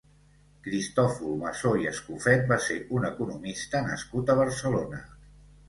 Cristòfol Massó i Escofet va ser un economista nascut a Barcelona.